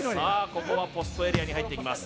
ここはポストエリアに入っていきます